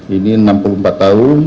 ini enam puluh empat tahun